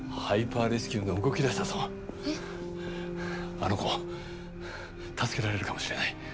あの子を助けられるかもしれない。